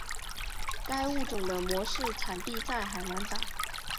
该物种的模式产地在海南岛。